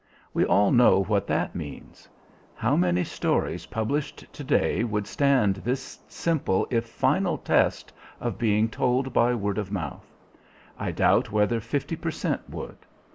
We all know what that means. How many stories published today would stand this simple if final test of being told by word of mouth? I doubt whether fifty per cent would.